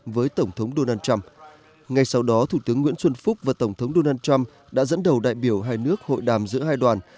với tổng thống donald trump ngay sau đó thủ tướng nguyễn xuân phúc và tổng thống donald trump đã dẫn đầu đại biểu hai nước hội đàm giữa hai đoàn